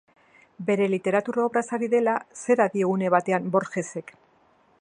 Bere literatur obraz ari dela, zera dio une batean Borgesek.